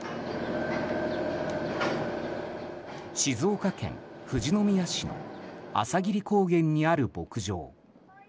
静岡県富士宮市の朝霧高原にある牧場。